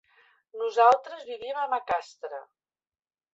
Nosaltres vivim a Macastre.